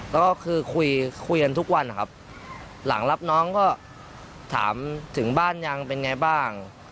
แล้วก็คือคุยคุยกันทุกวันนะครับหลังรับน้องก็ถามถึงบ้านยังเป็นไงบ้าง